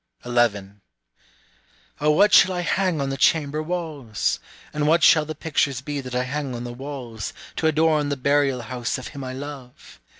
11. O what shall I hang on the chamber walls? And what shall the pictures be that I hang on the walls, To adorn the burial house of him I love?